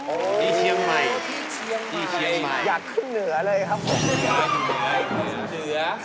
โอ้โฮที่เชียงใหม่ที่เชียงใหม่อยากขึ้นเหนือเลยครับ